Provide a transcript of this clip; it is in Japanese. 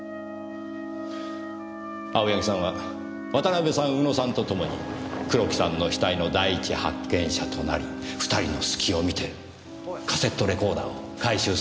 青柳さんは渡辺さん宇野さんと共に黒木さんの死体の第一発見者となり２人の隙を見てカセットレコーダーを回収するつもりでした。